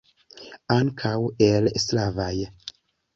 Ankaŭ el slavaj.